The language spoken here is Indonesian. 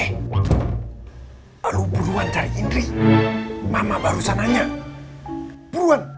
eh lu buruan cari ndri mama baru sananya buruan